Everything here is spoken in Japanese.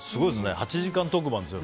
８時間特番ですよ。